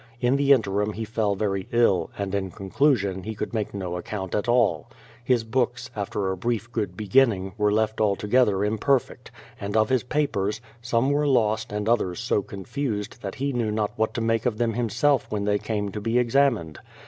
In the interim he fell very ill, and in conclusion he could make no account at all. His books, after a brief good beginning, were left altogether imperfect, and of his papers, some were lost and others so confused that he knew not what to make of them himself when they THE PLYMOUTH SETTLEMENT 279 came to be examined.